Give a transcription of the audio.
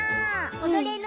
おどれる？